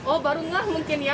oh baru enggak mungkin ya